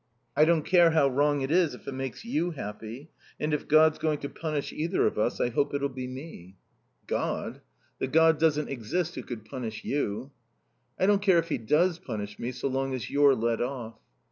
I don't care how wrong it is if it makes you happy. And if God's going to punish either of us I hope it'll be me." "God? The God doesn't exist who could punish you." "I don't care if he does punish me so long as you're let off."